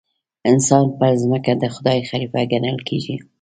انسان پر ځمکه د خدای خلیفه ګڼل کېږي.